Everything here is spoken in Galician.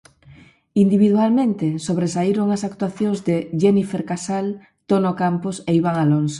Individualmente, sobresaíron as actuacións de Jenifer Casal, Tono Campos e Iván Alonso.